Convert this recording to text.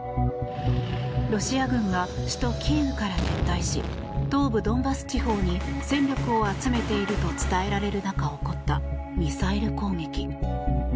ロシア軍が首都キーウから撤退し東部ドンバス地方に戦力を集めていると伝えられる中起こったミサイル攻撃。